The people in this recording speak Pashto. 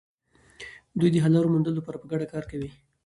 دوی د حل لارو موندلو لپاره په ګډه کار کوي.